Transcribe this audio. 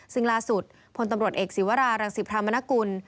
ซึ่งล่าสุดพลตำรวจเอกศิวรารังสิพรามนกุล